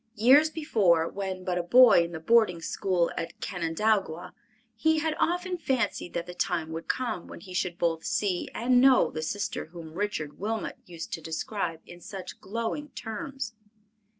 Years before, when but a boy in the boarding school at Canandaigua, he had often fancied that the time would come when he should both see and know the sister whom Richard Wilmot used to describe in such glowing terms.